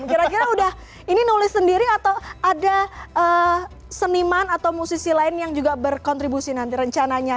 kira kira udah ini nulis sendiri atau ada seniman atau musisi lain yang juga berkontribusi nanti rencananya